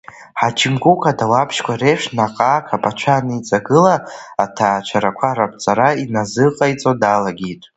Ҳаџьым Гәыгә адауаԥшьқәа реиԥш наҟ-ааҟ аԥацәа аниҵагыла, аҭаацәарақәа раԥҵара иназыҟаиҵо далагеит…